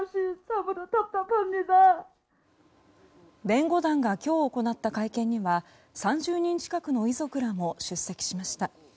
弁護団が今日行った会見には３０人近くの遺族らも出席しました。